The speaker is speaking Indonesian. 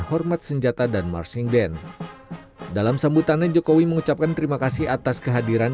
hormat senjata dan marching band dalam sambutannya jokowi mengucapkan terima kasih atas kehadiran